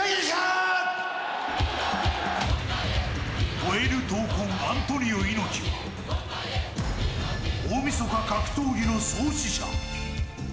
燃える闘魂、アントニオ猪木は大みそか格闘技の創始者。